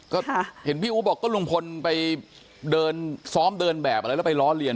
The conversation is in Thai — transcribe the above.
ก็เห็นพี่อู๋บอกก็ลุงพลไปเดินซ้อมเดินแบบอะไรแล้วไปล้อเลีย